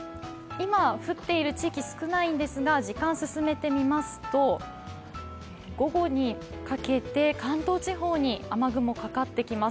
今降っている地域は少ないんですが、時間を進めてみますと午後にかけて関東地方に雨雲がかかってきます。